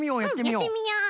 うんやってみよう。